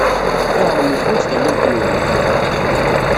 Iɣrem yeḥwaj tallalt-nwent.